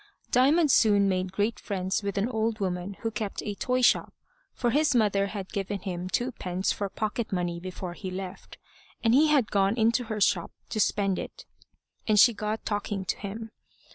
Diamond soon made great friends with an old woman who kept a toyshop, for his mother had given him twopence for pocket money before he left, and he had gone into her shop to spend it, and she got talking to him.